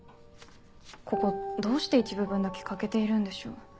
ここどうして一部分だけ欠けているんでしょう。